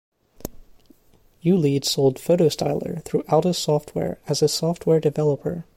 Ulead sold PhotoStyler through Aldus software as a software developer.